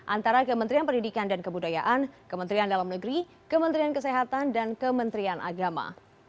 antara kementerian pendidikan dan kebudayaan kementerian dalam negeri kementerian kesehatan dan kementerian agama